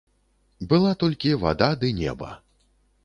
Была толькі вада ды неба.